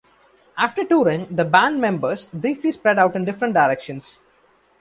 After touring, the band members briefly spread out in different directions.